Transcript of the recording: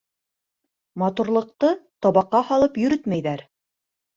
Матурлыҡты табаҡҡа һалып йөрөтмәйҙәр.